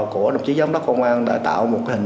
của đồng chí giám đốc công an đã tạo một hình